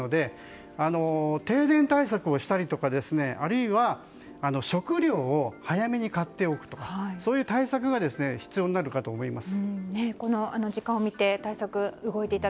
停電対策をしたりとかあるいは食料を早めに買っておくなどそういう対策が必要になるかと思います。